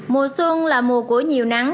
mùa xuân là mùa của nhiều nắng